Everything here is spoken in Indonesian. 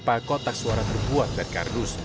beberapa kotak suara terbuat dari kardus